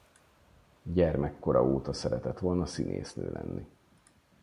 Gyermekkora óta szeretett volna színésznő lenni.